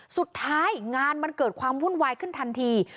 สุดท้ายงานมันเกิดความวุ่นวายขึ้นทันที